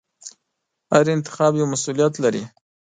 هر انتخاب یو مسؤلیت لري.